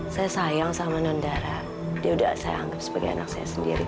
saya sayang sama nundara dia udah saya anggap sebagai anak saya sendiri